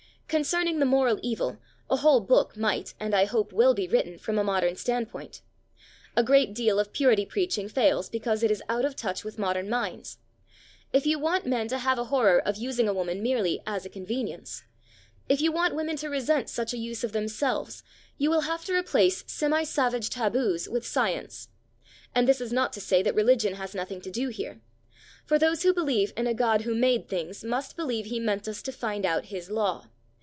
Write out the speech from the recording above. Concerning the moral evil, a whole book might and I hope will be written, from a modern standpoint. A great deal of purity preaching fails because it is out of touch with modern minds. If you want men to have a horror of using a woman merely "as a convenience," if you want women to resent such a use of themselves, you will have to replace semi savage tabus with science. And this is not to say that religion has nothing to do here. For those who believe in a God who made things must believe He meant us to find out His law.